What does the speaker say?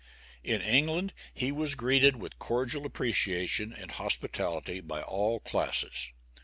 In England, he was greeted with cordial appreciation and hospitality by all classes.